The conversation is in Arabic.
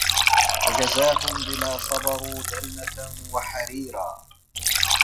وَجَزاهُم بِما صَبَروا جَنَّةً وَحَريرًا